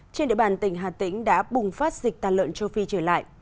trên địa bàn tỉnh hà tĩnh đã bùng phát dịch tàn lợn châu phi trở lại